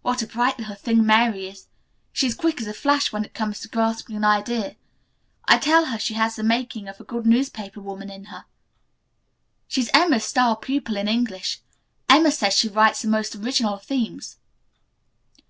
What a bright little thing Mary is! She is quick as a flash when it comes to grasping an idea. I tell her she has the making of a good newspaper woman in her." "She is Emma's star pupil in English. Emma says she writes the most original themes."